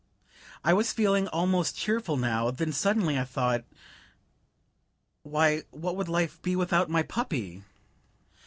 I was feeling almost cheerful now; then suddenly I thought: Why, what would life be without my puppy!